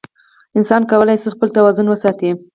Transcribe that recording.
انسان کولی شي خپل توازن وساتي.